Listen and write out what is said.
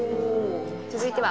続いては。